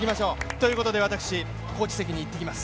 ということで私、コーチ席に行ってきます。